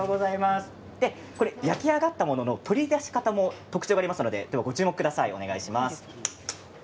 焼き上がったものの取り出し方も特徴がありますのでご注目ください。